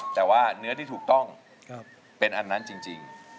แต่ว่าเนื้อที่ถูกต้องเป็นอันนั้นจริง